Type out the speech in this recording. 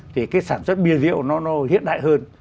thì cái sản xuất bia rượu nó hiện đại hơn